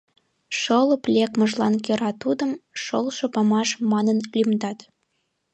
Шолып лекмыжлан кӧра тудым Шолшо памаш манын лӱмдат.